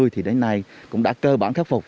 thì đến nay cũng đã cơ bản khắc phục